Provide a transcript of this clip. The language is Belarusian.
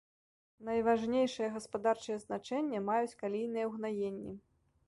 Найважнейшае гаспадарчае значэнне маюць калійныя ўгнаенні.